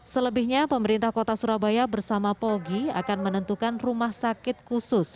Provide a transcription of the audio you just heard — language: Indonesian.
selebihnya pemerintah kota surabaya bersama pogi akan menentukan rumah sakit khusus